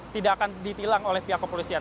tidak akan ditilang oleh pihak kepolisian